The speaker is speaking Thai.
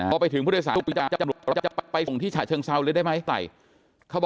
พอไปถึงผู้โดยสารจะไปส่งที่ฉะเชิงเซาเลยได้ไหมไปเขาบอก